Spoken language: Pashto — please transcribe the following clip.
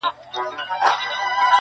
دغه د اور ځنځير ناځوانه ځنځير_